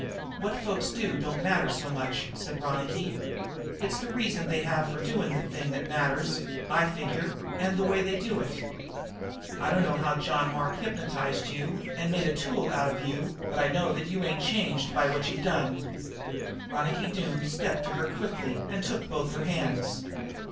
"What folks do don't matter so much," said Ronicky. "It's the reasons they have for doing a thing that matters, I figure, and the way they do it. I dunno how John Mark hypnotized you and made a tool out of you, but I do know that you ain't changed by what you've done." Ronicky Doone stepped to her quickly and took both her hands.